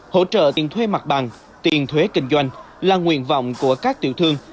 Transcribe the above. hỗ trợ tiền thuê mặt bằng tiền thuế kinh doanh là nguyện vọng của các tiểu thương